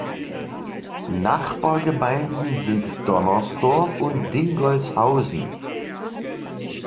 Nachbargemeinden sind Donnersdorf und Dingolshausen.